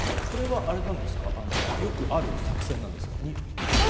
これはよくある作戦なんですか？